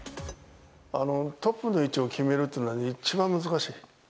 トップの位置を決めるっていうのは一番難しい。